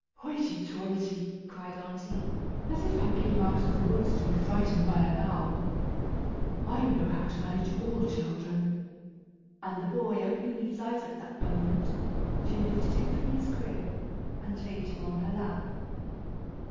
"Hoity toity!" cried aunty, "as if I came out of the woods to be frightened by an owl. I know how to manage all children!" and the boy opening his eyes at that moment, she lifted him from his crib, and laid him on her lap.